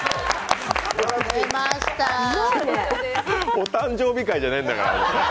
お誕生日会じゃないんだから。